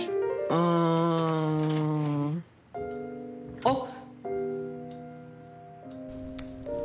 うん。あっ！